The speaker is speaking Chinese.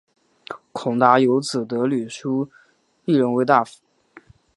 孔达有子得闾叔榖仍为大夫。